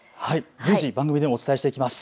随時、番組でもお伝えしていきます。